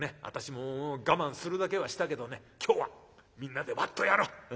私ももう我慢するだけはしたけどね今日はみんなでワッとやろう。